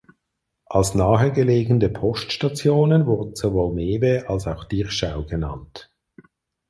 Als nahegelegene Poststationen wurden sowohl Mewe als auch Dirschau genannt.